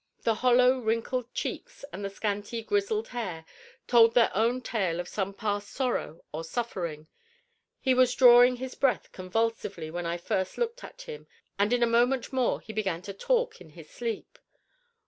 The hollow wrinkled cheeks, and the scanty grizzled hair, told their own tale of some past sorrow or suffering. He was drawing his breath convulsively when I first looked at him, and in a moment more he began to talk in his sleep.